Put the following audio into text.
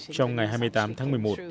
trong ngày hai mươi tám tháng một mươi một